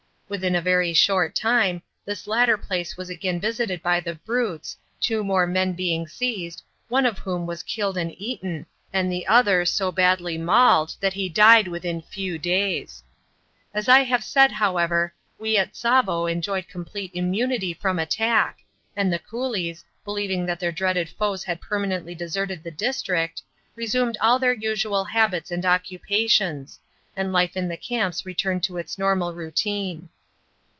Within a very short time, this latter place was again visited by the brutes, two more men being seized, one of whom was killed and eaten, and the other so badly mauled that he died within few days. As I have said, however, we at Tsavo enjoyed complete immunity from attack, and the coolies, believing that their dreaded foes had permanently deserted the district, resumed all their usual habits and occupations, and life in the camps returned to its normal routine.